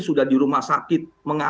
sudah di rumah sakit